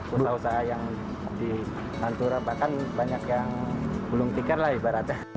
pusah pusah yang di jalur pantura bahkan banyak yang belum tikar lah ibaratnya